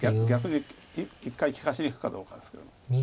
逆に一回利かしにいくかどうかですけど。